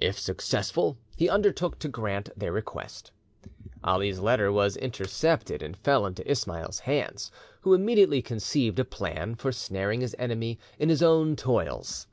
If successful, he undertook to grant their request. Ali's letter was intercepted, and fell into Ismail's hands, who immediately conceived a plan for snaring his enemy in his own toils.